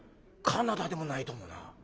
カナダでもないと思うな。